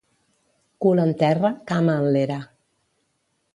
Cul en terra, cama en l'era.